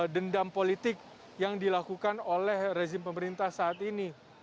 dendam politik yang dilakukan oleh rezim pemerintah saat ini